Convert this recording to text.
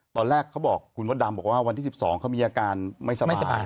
ตอนแรกเขาบอกคุณมดดำบอกว่าวันที่๑๒เขามีอาการไม่สบาย